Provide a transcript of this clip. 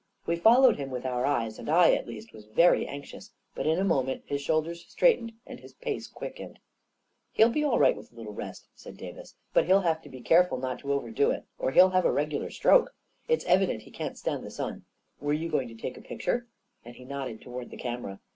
We followed him with our eyes, and I, at least, was very anxious; but in a moment his shoulders straightened and his pace quickened* A KING IN BABYLON 147 " He'll be all right with a little rest," said Davis ;" but he'll have to be careful not to over do it, or he'll have a regular stroke. It's evident he can't stand the sun. Were you going to take a picture ?" and he nodded toward the camera.